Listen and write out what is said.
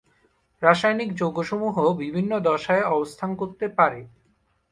রাসায়নিক যৌগ সমূহ বিভিন্ন দশায় অবস্থান করতে পারে।